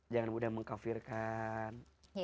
jangan mudah mengkafirkan